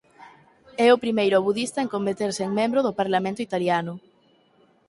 É o primeiro budista en converterse en membro do Parlamento italiano.